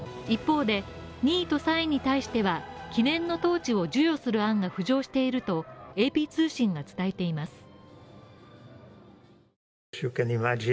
一方で、２位と３位に対しては記念のトーチを授与する予定だとＡＰ通信が伝えています。